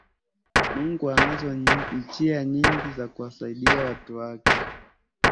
mungu anazo njia nyingi za kuwasaidia watu wake